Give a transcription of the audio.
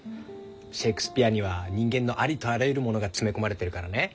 シェークスピヤには人間のありとあらゆるものが詰め込まれてるからね。